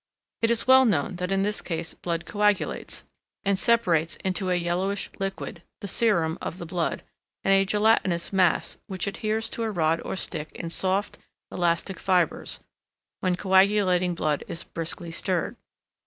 It is well known that in this case blood coagulates, and separates into a yellowish liquid, the serum of the blood, and a gelatinous mass, which adheres to a rod or stick in soft, elastic fibres, when coagulating blood is briskly stirred.